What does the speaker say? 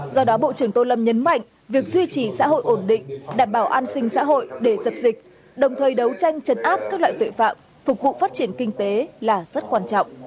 do đó bộ trưởng tô lâm nhấn mạnh việc duy trì xã hội ổn định đảm bảo an sinh xã hội để dập dịch đồng thời đấu tranh chấn áp các loại tội phạm phục vụ phát triển kinh tế là rất quan trọng